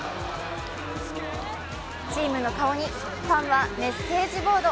チームの顔に、ファンはメッセージボード。